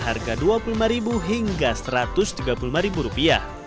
harga dua puluh lima hingga satu ratus tiga puluh lima rupiah